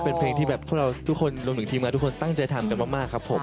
เป็นเพลินที่พวกนายร่วมถึงทีมอยากทุกคนตั้งใจทำกันมากครับผม